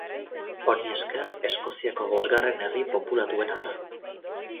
Honi esker Eskoziako bosgarren herri populatuena da.